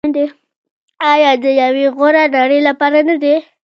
آیا د یوې غوره نړۍ لپاره نه دی؟